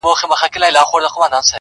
کیسې پاته د امیر سوې د ظلمونو؛